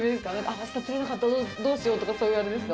あした釣れなかったらどうしようとか、そういうのですか。